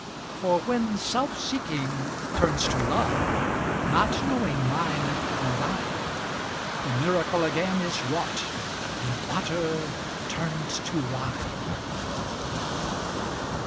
For when self seeking turns to love, Not knowing mine nor thine, The miracle again is wrought, And water turned to wine.